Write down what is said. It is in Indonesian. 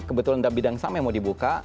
kebetulan dalam bidang sam yang mau dibuka